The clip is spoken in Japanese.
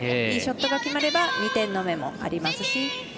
いいショットが決まれば２点の目もありますし。